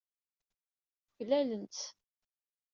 Uklalent-tt.